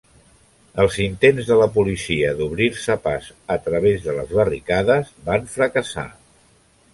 Els intents de la policia d'obrir-se pas a través de les barricades van fracassar.